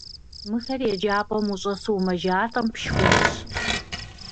Мыхэр еджапӀэм ущӀэсу умэжалӀэм, пшхынщ.